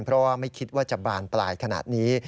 เพราะว่าไม่คิดว่าจะบานปลายขนาดนี้